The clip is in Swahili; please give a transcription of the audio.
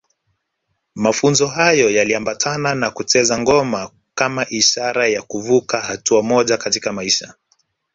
Mafunzo hayo yaliambatana na kucheza ngoma kama ishara ya kuvuka hatua moja katika maisha